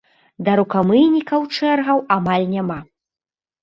Да рукамыйнікаў чэргаў амаль няма.